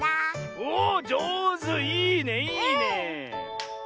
おおっじょうずいいねいいねえ。